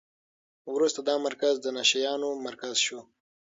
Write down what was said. وروسته دا مرکز د نشه یانو مرکز شو.